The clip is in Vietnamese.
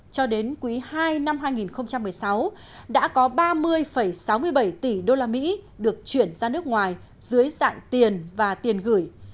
cho đến quý ii năm hai nghìn một mươi sáu đã có ba mươi sáu mươi bảy tỷ usd được chuyển ra nước ngoài dưới dạng tiền và tiền gửi